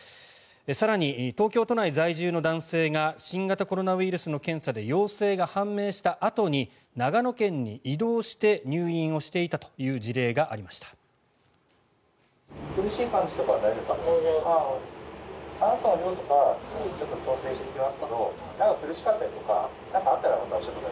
更に、東京都内在住の男性が新型コロナウイルスの検査で陽性が判明したあとに長野県に移動して入院をしていたという事例がありました。